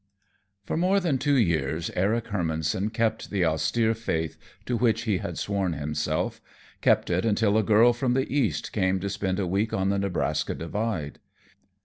For more than two years Eric Hermannson kept the austere faith to which he had sworn himself, kept it until a girl from the East came to spend a week on the Nebraska Divide.